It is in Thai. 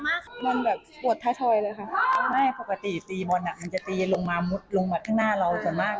มันแบบปวดท้าชอยเลยค่ะไม่ปกติตีบอลอ่ะมันจะตีลงมามุดลงมาข้างหน้าเราส่วนมาก